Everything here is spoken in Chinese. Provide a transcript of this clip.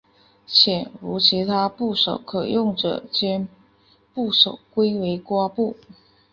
且无其他部首可用者将部首归为瓜部。